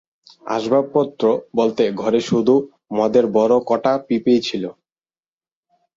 আসবাবপত্র বলতে ঘরে শুধু মদের বড় কটা পিপেই ছিল।